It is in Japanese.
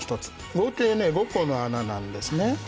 合計５個の穴なんですね。